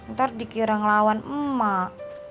ntar dikira ngelawan emak